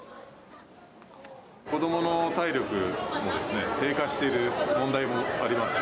子どもの体力も低下している問題もあります。